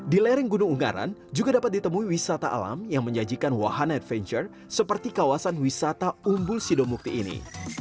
di lereng gunung ungaran juga dapat ditemui wisata alam yang menyajikan wahana adventure seperti kawasan wisata umbul sidomukti ini